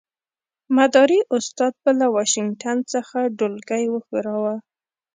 مداري استاد به له واشنګټن څخه ډولکی وښوراوه.